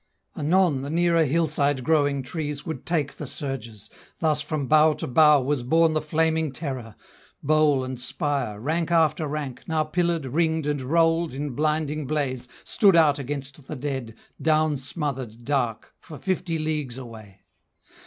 Anon the nearer hillside growing trees Would take the surges; thus from bough to bough Was borne the flaming terror! Bole and spire, Rank after rank, now pillared, ringed, and rolled In blinding blaze, stood out against the dead, Down smothered dark, for fifty leagues away.